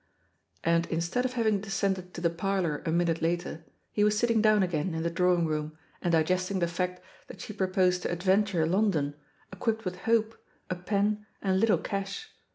And, instead of having descended to the par loiur a minute later, he was sitting down again in the drawing room and digesting the fact that she proposed to adventure London, equipped with hope, a pen, and little cash.